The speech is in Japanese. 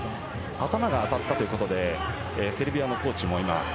頭が当たったということでセルビアのコーチも。